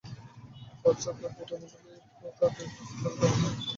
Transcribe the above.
পাশ্চাত্য বুধমণ্ডলী এই প্রকার দেশ-দেশান্তরের ধর্ম, নীতি, জাতি ইত্যাদির আলোচনা করছেন।